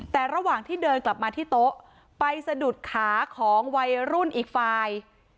แต่ระหว่างที่เดินกลับมาที่โต๊ะไปสะดุดขาของวัยรุ่นอีกฝ่าย